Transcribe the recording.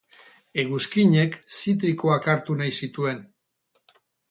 Eguzkiñek zitrikoak hartu nahi zituen.